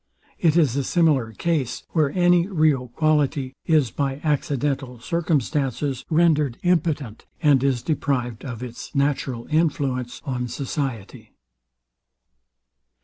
It is a similar case, where any real quality is, by accidental circumstances, rendered impotent, and is deprived of its natural influence on society.